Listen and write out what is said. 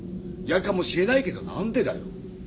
嫌かもしれないけど何でだよ。